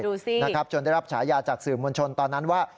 ดูสินะครับจนได้รับฉายาจากสื่อมวลชนตอนนั้นว่า